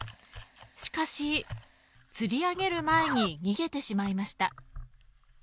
しかし、釣り上げる前に逃げてしまいました。